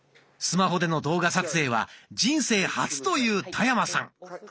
スマホでの動画撮影は人生初という田山さん。